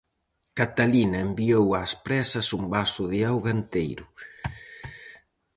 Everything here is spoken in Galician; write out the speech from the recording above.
Catalina enviou ás présas un vaso de auga enteiro.